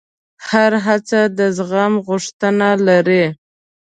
هره هڅه د زغم غوښتنه لري.